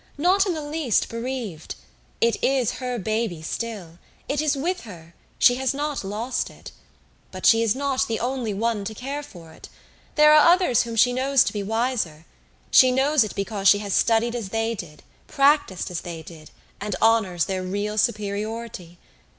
"Not in the least bereaved. It is her baby still it is with her she has not lost it. But she is not the only one to care for it. There are others whom she knows to be wiser. She knows it because she has studied as they did, practiced as they did, and honors their real superiority.